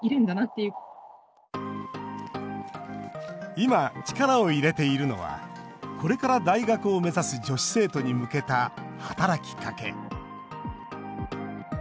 今、力を入れているのはこれから大学を目指す女子生徒に向けた働きかけ。